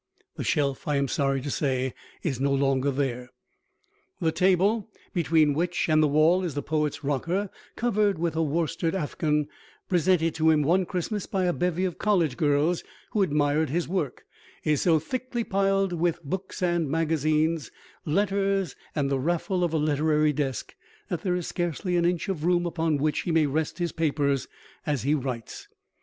(The shelf, I am sorry to say, is no longer there.) The table between which and the wall is the poet's rocker covered with a worsted afghan, presented to him one Christmas by a bevy of college girls who admired his work is so thickly piled with books and magazines, letters and the raffle of a literary desk that there is scarcely an inch of room upon which he may rest his paper as he writes.